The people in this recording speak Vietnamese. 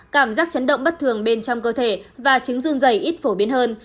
cảm giác chấn động bất thường bên trong cơ thể và chứng run dày ít phổ biến hơn